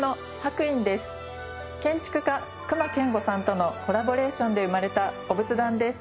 建築家隈研吾さんとのコラボレーションで生まれたお仏壇です。